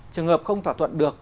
trường hợp không thỏa thuận được